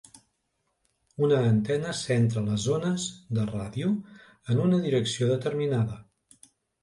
Una antena centra les ones de ràdio en una direcció determinada.